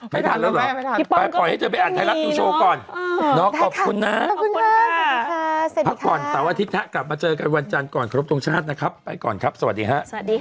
ไม่ทันแล้วเหรอไปก่อนให้เจอไปอ่านไทยรัฐยูโชว์ก่อนเนาะขอบคุณนะพระอาทิตย์ถ้ากลับมาเจอกันวันจันทร์ก่อนครบตรงชาตินะครับไปก่อนครับสวัสดีค่ะ